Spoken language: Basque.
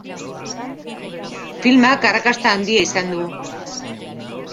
Filmak arrakasta handia izan du.